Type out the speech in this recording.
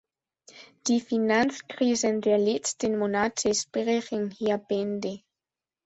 Die Finanzkrisen der letzten Monate sprechen hier Bände.